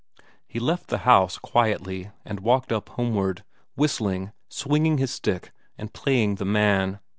He left the house, quietly, and walked up homeward, whistling, swinging his stick, and playing the man.